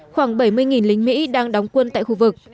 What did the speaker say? khoảng bảy mươi lính mỹ đang đóng quân tại khu vực